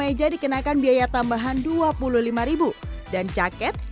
beraftar di kongsi kondisi lainnya master reoooo klingt ber hitchhiking design bu perform thermos or equipment car